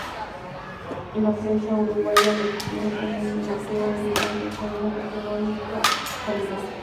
La prensa uruguaya lo distinguió como un delantero elegante, con una categórica calidad.